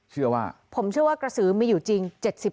เชื่อว่าผมเชื่อว่ากระสือมีอยู่จริง